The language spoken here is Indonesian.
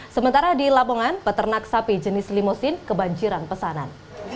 sementara di lamongan peternak sapi jenis limusin kebanjiran pesanan